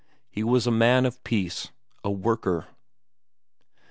He was a man of peace, a worker.